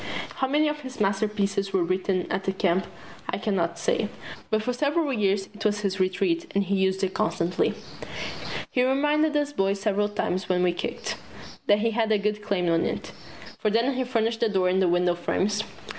How many of his masterpieces were written at the Camp I can not say, but for several years it was his Retreat and he used it constantly. He reminded us boys several times when we kicked, that he had a good claim on it for didn't he furnish the door and the window frames?